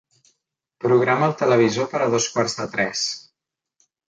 Programa el televisor per a dos quarts de tres.